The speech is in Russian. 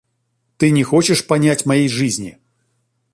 Ты не хочешь понять моей жизни.